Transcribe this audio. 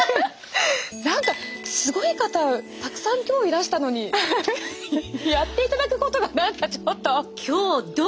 何かすごい方たくさん今日いらしたのにやっていただくことが何かちょっと。